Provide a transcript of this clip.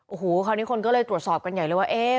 โอ้โหคราวนี้คนก็เลยตรวจสอบกันใหญ่เลยว่า